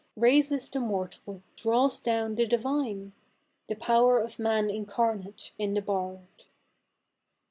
Raises the mortal, draivs down the divine t The power of man incarnate in the bard.